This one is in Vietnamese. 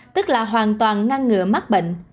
tức là hoàn toàn ngăn ngừa mắc bệnh